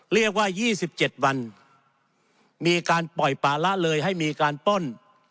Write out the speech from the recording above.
เรียกว่า๒๗วันมีการปล่อยป่าละเลยให้มีการป้น